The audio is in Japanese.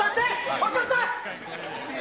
分かった！